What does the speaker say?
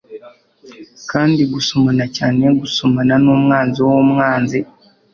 Kandi gusomana cyane gusomana numwanzi wumwanzi